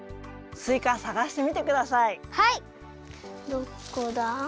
どこだ？